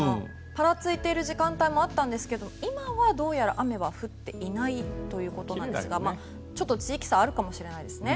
パラついている時間帯もあったんですが今はどうやら雨は降っていないということなんですがちょっと地域差があるかもしれないですね。